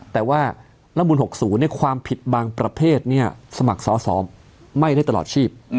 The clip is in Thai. แต่ว่าร่างบุญ๖ศูนย์ในความผิดบางประเภทสมัครสอสอไม่ได้ตลอดชีพ